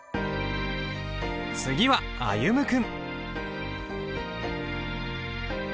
次は歩夢君。